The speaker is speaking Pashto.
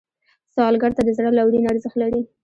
سوالګر ته د زړه لورینه ارزښت لري